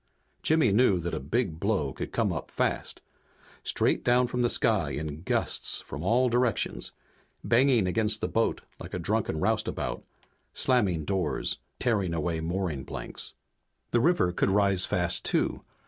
Jimmy knew that a big blow could come up fast. Straight down from the sky in gusts, from all directions, banging against the boat like a drunken roustabout, slamming doors, tearing away mooring planks. The river could rise fast too.